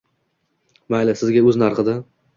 Mayli, sizga o‘z narxida.